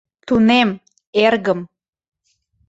— Тунем, эргым.